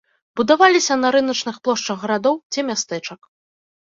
Будаваліся на рыначных плошчах гарадоў ці мястэчак.